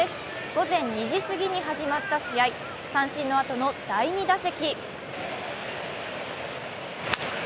午前２時過ぎに始まった試合、三振のあとの第３打席。